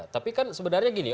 tapi kan sebenarnya gini